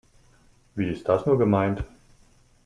Wie ist das nur gemeint?